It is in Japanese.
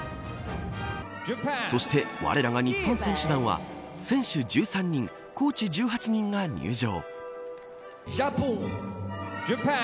そして、われらが日本選手団は選手１３人コーチ１８人が入場。